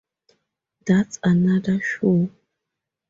That's another show.